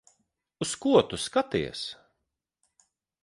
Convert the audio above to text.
Uz ko tu skaties?